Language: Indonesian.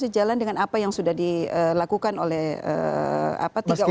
di jalan dengan apa yang sudah dilakukan oleh tiga unsur ini